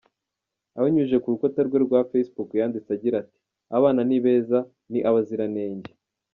Abinyujije ku rukuta rwe rwa facebook yanditse agira ati, “abana ni beza, ni abaziranenge.